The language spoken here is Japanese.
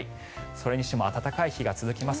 それにしても暖かい日が続きます。